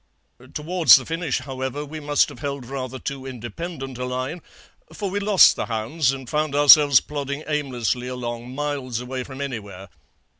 Towards the finish, however, we must have held rather too independent a line, for we lost the hounds, and found ourselves plodding aimlessly along miles away from anywhere.